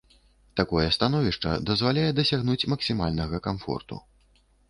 Такое становішча дазваляе дасягнуць максімальнага камфорту.